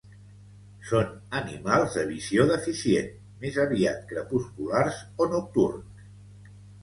Són animals de visió deficient, més aviat crepusculars o nocturns.